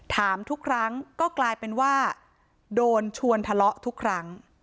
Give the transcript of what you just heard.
ถามทุกครั้งก็กลายเป็นว่าโดนชวนทะเลาะทุกครั้ง